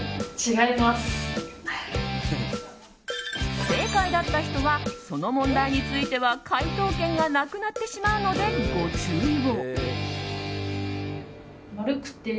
不正解だった人はその問題については解答権がなくなってしまうのでご注意を。